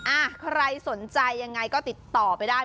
อ่ะใครสนใจยังไงก็ติดต่อไปได้